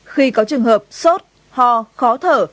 khi có trường hợp sốt ho khó thở